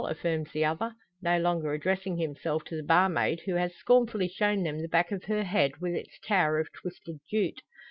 affirms the other, no longer addressing himself to the barmaid, who has scornfully shown them the back of her head, with its tower of twisted jute.